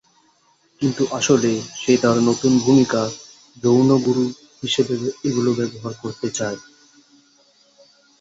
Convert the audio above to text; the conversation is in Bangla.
কিন্তু আসলে সে তার নতুন ভূমিকা "যৌন গুরু" হিসেবে এগুলো ব্যবহার করতে চায়।